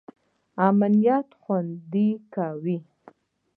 امنیت خوندي کاوه.